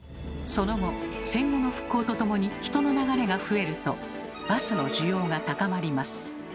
その後戦後の復興とともに人の流れが増えるとバスの需要が高まります。